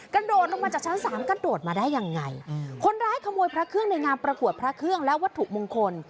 กระโดดลงมาจากชั้นสามกระโดดมาได้ยังไงคนร้ายขโมยพระเครื่องในงานประกวดพระเครื่องและวัตถุมงคล